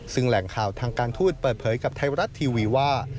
ซึ่งแหล่งข่าวทางการทูตเปิดเผยกับไทยรัฐทีวีว่า